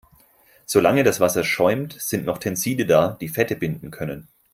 Solange das Wasser schäumt, sind noch Tenside da, die Fette binden können.